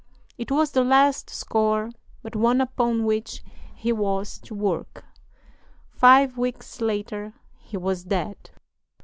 It was the last score but one upon which he was to work. Five weeks later he was dead.